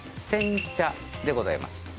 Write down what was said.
煎茶でございます